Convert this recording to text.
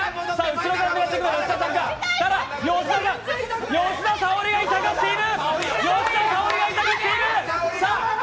後ろから狙ってくる吉田さんか、ただ吉田さん、吉田沙保里が痛がっている。